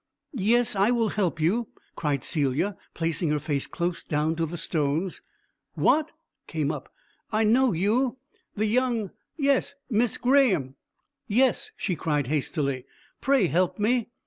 "Yes, I will help you," cried Celia, placing her face close down to the stones. "What!" came up. "I know you the young yes, Miss Graeme." "Yes," she cried hastily. "Pray help me."